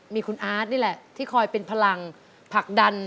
มีคุณอาร์ตนี่แหละที่คอยเป็นพลังผลักดัน